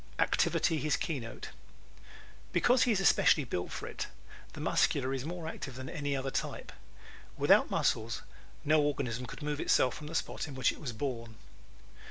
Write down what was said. Activity His Keynote ¶ Because he is especially built for it the Muscular is more active than any other type. Without muscles no organism could move itself from the spot in which it was born.